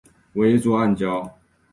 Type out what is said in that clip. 为一座暗礁。